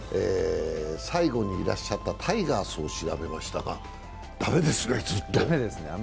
最後にいらっしゃったタイガースを調べましたが駄目ですね、ずっと。